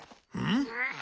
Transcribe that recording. ん？